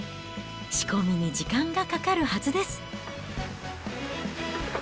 仕込みに時間がかかるはずです。